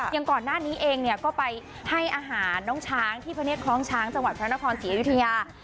อย่างก่อนหน้านี้เองเนี่ยก็ไปให้อาหารน้องช้างที่พระเนธคล้องช้างจังหวัดพระนครศรีอยุธยา